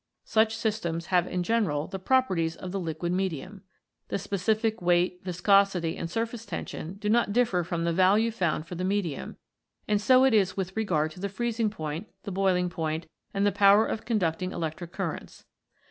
Such systems have in general the properties of the liquid medium. The specific weight, viscosity, and surface tension do not differ from the value found for the medium, and so it is with regard to the freezing point, the boiling point, and the power of conducting electric currents.